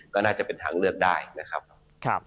ก็น่าจะเป็นทางเลือกได้นะครับ